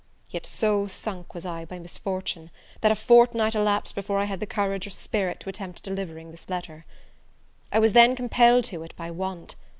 Yet so sunk was I by misfortune, that a fortnight elapsed before I had the courage or spirit to attempt delivering this letter. I was then compelled to it by want.